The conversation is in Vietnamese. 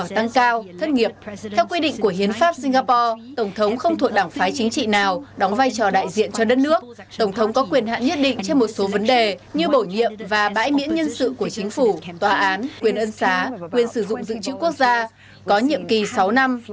tổng thống có quyền hạn nhất định trên một số vấn đề như bổ nhiệm và bãi miễn nhân sự của chính phủ tòa án quyền ân xá quyền sử dụng dự trữ quốc gia có nhiệm kỳ sáu năm